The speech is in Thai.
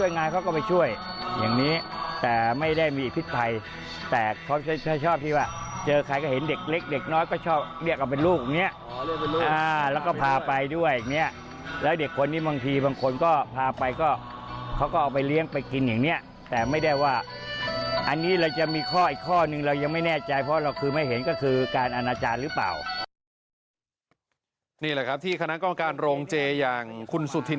นี่แหละครับที่คณะกรรมการโรงเจอย่างคุณสุธิน